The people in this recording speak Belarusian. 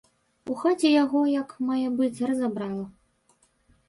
У хаце яго як мае быць разабрала.